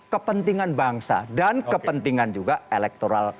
kepentingan bangsa dan kepentingan juga elektoral